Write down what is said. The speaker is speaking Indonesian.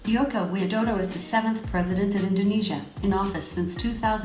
joko widodo adalah presiden ke tujuh di indonesia di pejabat sejak dua ribu empat belas